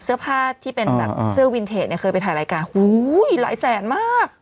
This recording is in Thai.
เสื้อผ้าที่เป็นแบบเสื้อวินเทจเนี่ยเคยไปถ่ายรายการอุ้ยหลายแสนมาก